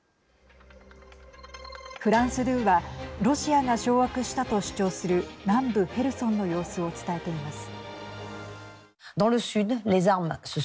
フランス２はロシアが掌握したと主張する南部ヘルソンの様子を伝えています。